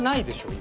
今。